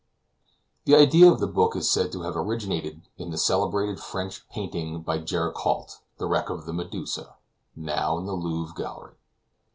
The idea of the book is said to have originated in the celebrated French painting by Gericault, "the Wreck of the Medusa," now in the Louvre gallery.